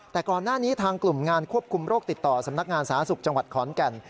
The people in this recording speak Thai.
แต่ก่อนหน้านี้ทางกลุ่มงานควบคุมโรคติดต่อสำนักงานสาธารณสุขจังหวัดขอนแก่น